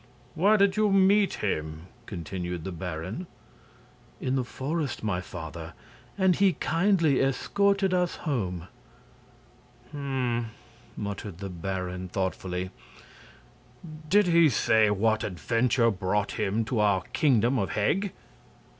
"Where did you meet him?" continued the baron. "In the forest, my father, and he kindly escorted us home." "Hm!" muttered the baron, thoughtfully. "Did he say what adventure brought him to our Kingdom of Heg?"